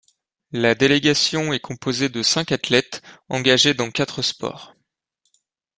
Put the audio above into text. La délégation est composée de cinq athlètes engagés dans quatre sports.